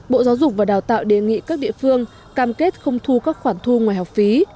bộ giáo dục và đào tạo đề nghị các địa phương cam kết không thu các khoản thu ngoài học phí